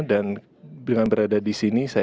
dan dengan berada disini